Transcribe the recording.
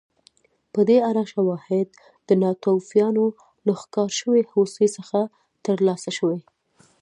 په دې اړه شواهد د ناتوفیانو له ښکار شوې هوسۍ څخه ترلاسه شوي